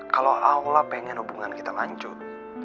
kalau allah pengen hubungan kita lanjut